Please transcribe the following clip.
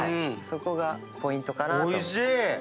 そこがポイントかなと。